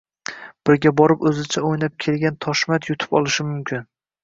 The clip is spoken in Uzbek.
birga borib o‘zicha o‘ynab kelgan Toshmat yutib olishi mumkin.